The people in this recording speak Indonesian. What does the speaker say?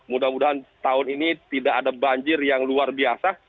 mudah mudahan tahun ini tidak ada banjir yang luar biasa